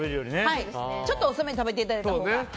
ちょっと遅めに食べていただいたほうが。